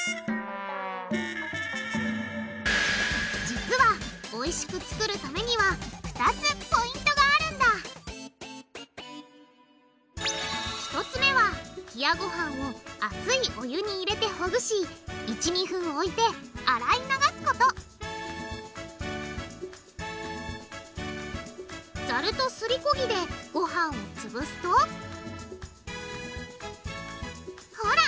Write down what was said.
実はおいしく作るためには２つポイントがあるんだ１つ目は冷やごはんを熱いお湯に入れてほぐし１２分置いて洗い流すことざるとすりこぎでごはんをつぶすとほら！